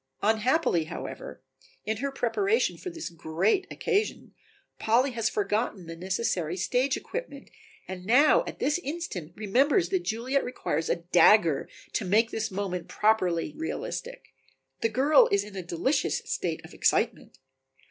Unhappily, however, in her preparation for this great occasion, Polly has forgotten the necessary stage equipment and now at this instant remembers that Juliet requires a dagger to make this moment properly realistic. The girl is in a delicious state of excitement.